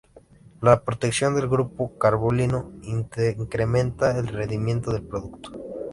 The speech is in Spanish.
La protección del grupo carbonilo incrementa el rendimiento del producto.